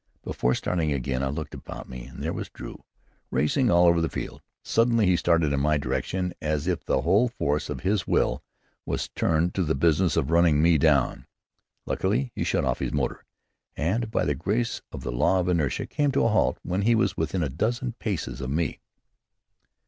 Before starting again I looked about me, and there was Drew racing all over the field. Suddenly he started in my direction as if the whole force of his will was turned to the business of running me down. Luckily he shut off his motor, and by the grace of the law of inertia came to a halt when he was within a dozen paces of me.